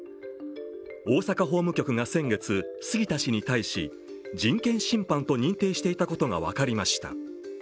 大阪法務局が先月、杉田氏に対し、人権侵犯と認定していたことが分かりました。